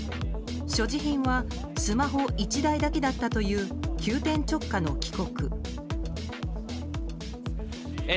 所持品はスマホ１台だけだったという急転直下の帰国。